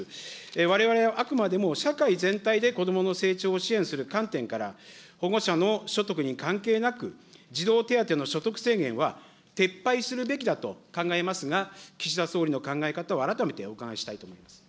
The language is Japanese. われわれはあくまでも社会全体で子どもの成長を支援する観点から、保護者の所得に関係なく、児童手当の所得制限は撤廃するべきだと考えますが、岸田総理の考え方を改めてお伺いしたいと思います。